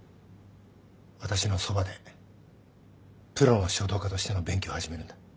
私のそばでプロの書道家としての勉強を始めるんだ。